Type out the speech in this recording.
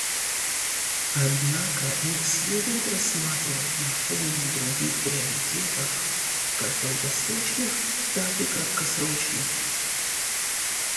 Однако их следует рассматривать на фоне других приоритетов, как долгосрочных, так и краткосрочных.